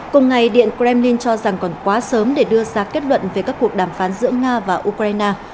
cùng ngày điện kremlin cho rằng còn quá sớm để đưa ra kết luận về các cuộc đàm phán giữa nga và ukraine